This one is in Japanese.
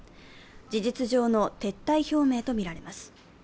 事実上の撤退表明とみられます。